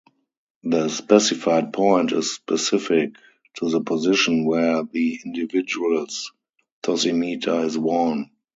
The specified point is specific to the position where the individual's dosimeter is worn.